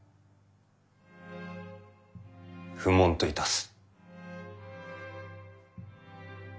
不問といたす。